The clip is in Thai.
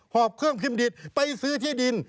อบเครื่องพิมพ์ดิตไปซื้อที่ดิน